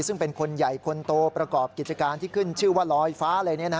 ซึ่งเป็นคนใหญ่คนโตประกอบกิจการที่ขึ้นชื่อว่าลอยฟ้าอะไร